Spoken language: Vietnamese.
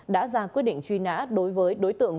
đã ra quyết định truy nã đối với đối tượng